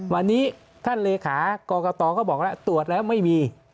วันนี้ท่านเลขากรกตก็บอกแล้วตรวจแล้วไม่มี